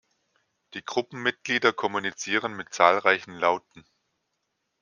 Die Gruppenmitglieder kommunizieren mit zahlreichen Lauten.